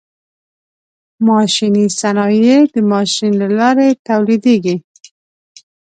ماشیني صنایع د ماشین له لارې تولیدیږي.